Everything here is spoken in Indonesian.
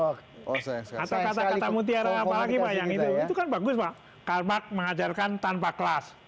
oh saya suka kata kata mutiara apalagi pak yang itu kan bagus pak karmak mengajarkan tanpa kelas